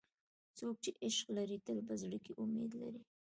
څوک چې عشق لري، تل په زړه کې امید لري.